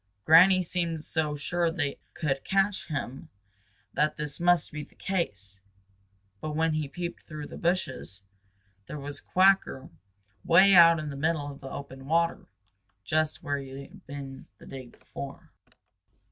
Granny seemed so sure they could catch him that this must be the case. But when he peeped through the hushes, there was Quacker way out in the middle of the open water just where he had been the day before.